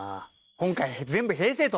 今回は全部平成と。